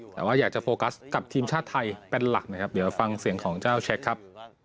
แต่ว่าอยากจะโฟกัสกับทีมชาติไทยเป็นหลักนะครับเดี๋ยวฟังเสียงของเจ้าเช็คครับ